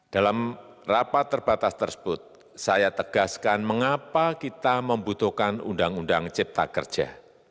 dalam rapat terbatas tersebut saya tegaskan mengapa kita membutuhkan undang undang cipta kerja